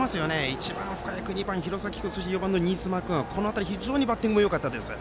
１番、深谷君、そして廣崎君そして４番の新妻君の辺りは非常にバッティングもよかったです。